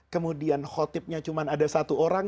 kemudian khotibnya cuma ada satu orang